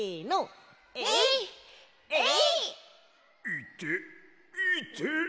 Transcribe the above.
・いていて。